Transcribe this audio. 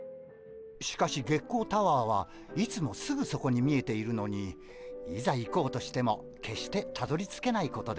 しかし月光タワーはいつもすぐそこに見えているのにいざ行こうとしても決してたどりつけないことで有名です。